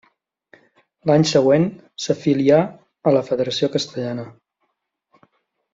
L'any següent s'afilià a la federació castellana.